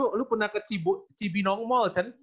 kamu pernah ke cibinong mall bukan